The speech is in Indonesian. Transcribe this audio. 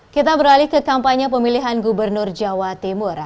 kita beralih ke kampanye pemilihan gubernur jawa timur